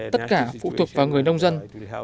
tất cả phụ thuộc vào người nông dân